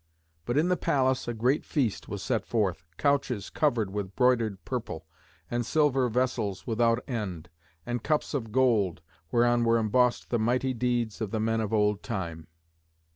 But in the palace a great feast was set forth, couches covered with broidered purple, and silver vessels without end, and cups of gold, whereon were embossed the mighty deeds of the men of old time.